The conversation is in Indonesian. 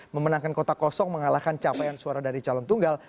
memenangkan kota kosong mengalahkan capaian suara dari calon tunggal